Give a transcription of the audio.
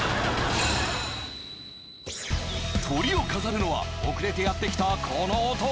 トリを飾るのは遅れてやってきたこの男